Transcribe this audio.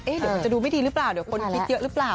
เอ่จะดูไม่ดีหรือเปล่าคนกินเยอะหรือเปล่า